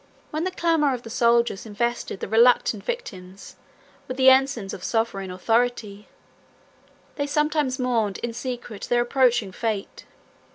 When the clamor of the soldiers invested the reluctant victims with the ensigns of sovereign authority, they sometimes mourned in secret their approaching fate.